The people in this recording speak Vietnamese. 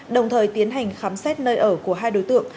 đồng thời tiến hành khám xét nơi ở của hai đối tượng